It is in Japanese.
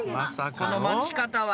このまき方は。